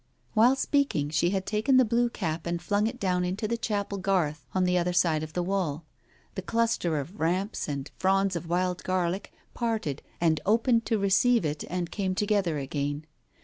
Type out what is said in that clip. While speaking she had taken the blue cap and flung it down into the chapel garth on the other side of the wall. The cluster of "ramps " and fronds of wild garlic parted and opened to receive it and came together again.